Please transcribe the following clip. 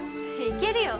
いけるよ！